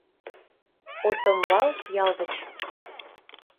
Отымбал ял гыч...